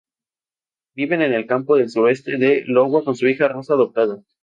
Viven en el campo al sureste de Iowa con su hija rusa adoptada.